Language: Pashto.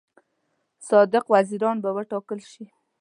صادق وزیران به وټاکل شي.